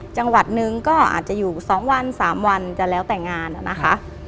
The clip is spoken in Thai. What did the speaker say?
จังหวัดหนึ่งก็อาจจะอยู่๒วัน๓วันจะแล้วแต่งานนะคะ